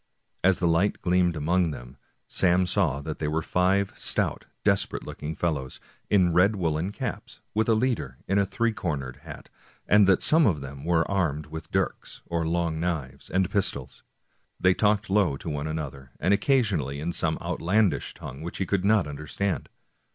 As the light gleamed among them, Sam saw that they were five stout, desperate looking fellows, in red woolen caps, with a leader in a three cornered hat, and that some of them were armed with dirks, or long knives, and pistols. They talked low to one another, and occasionally in some outlandish tongue which he could not understand.